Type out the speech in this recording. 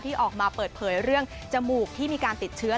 ออกมาเปิดเผยเรื่องจมูกที่มีการติดเชื้อ